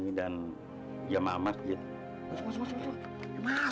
hai orang tuju nama kita berdua paji ons